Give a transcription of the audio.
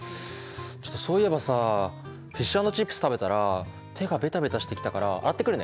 そういえばさフィッシュ＆チップス食べたら手がベタベタしてきたから洗ってくるね。